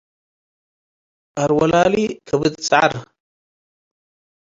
አርዌ ላሊ - ከብድ ሰዐር